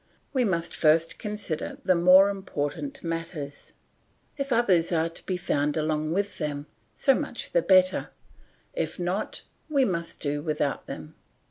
We must first consider the more important matters; if others are to be found along with them, so much the better; if not we must do without them.